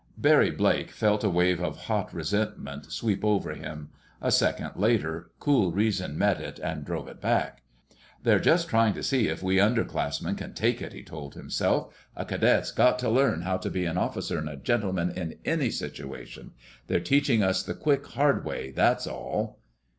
Barry Blake felt a wave of hot resentment sweep over him. A second later cool reason met it and drove it back. "They're just trying to see if we underclassmen can take it," he told himself. "A cadet's got to learn how to be an officer and a gentleman, in any situation. They're teaching us the quick, hard way, that's all!"